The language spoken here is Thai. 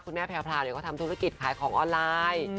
คุณแม่แพร่พราเนี่ยก็ทำธุรกิจขายของออนไลน์